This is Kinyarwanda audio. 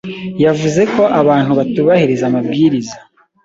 Yavuze ko abantu batubahiriza amabwiriza